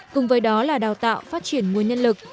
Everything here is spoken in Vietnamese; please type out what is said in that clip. cùng với đó là đào tạo phát triển nguồn nhân lực